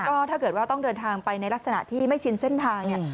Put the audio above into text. ก็ถ้าเกิดว่าต้องเดินทางไปในลักษณะที่ไม่ชินเส้นทางเนี่ย